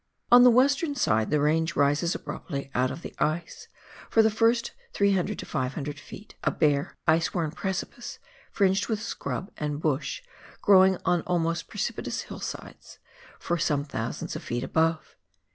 On the western side the range rises abruptly out of the ice, for the first 300 to 500 ft., a bare ice worn precipice — fringed with scrub and bush, growing on almost precipitous hillsides, for some thousands of feet above.